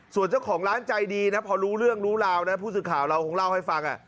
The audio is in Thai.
ส่วนเจ้าของร้านใจดีนะพอรู้เรื่องรู้ราวนะผู้สื่อข่าวเราคงเล่าให้ฟัง